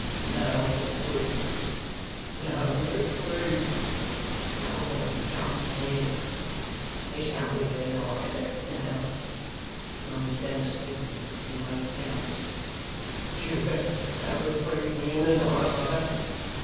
'No reprieve, no reprieve! Nobody comes near us. There's only the night left now!' moaned Dennis faintly, as he wrung his hands. 'Do you think they'll reprieve me in the night, brother?